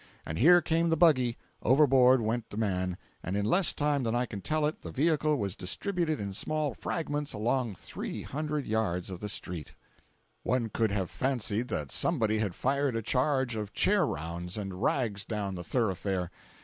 And here came the buggy—overboard went the man, and in less time than I can tell it the vehicle was distributed in small fragments along three hundred yards of street. 422.jpg (87K) One could have fancied that somebody had fired a charge of chair rounds and rags down the thoroughfare.